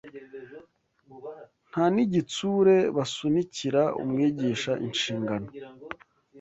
nta n’igitsure, basunikira umwigisha inshingano